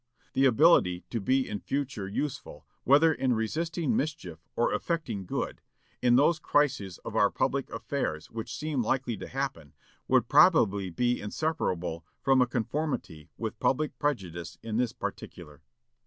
The ability to be in future useful, whether in resisting mischief or effecting good, in those crises of our public affairs which seem likely to happen, would probably be inseparable from a conformity with public prejudice in this particular."